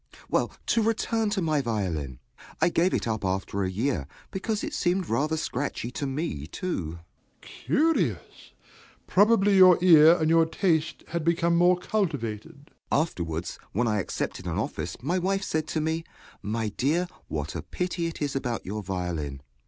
Well, to return to my violin. I gave it up after a year, because it seemed rather scratchy to me, too. DOMINIE. Curious! Probably your ear and your taste had become more cultivated. JOHN S. Afterwards, when I accepted an office, my wife said to me, "My dear, what a pity it is about your violin."